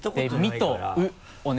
「み」と「う」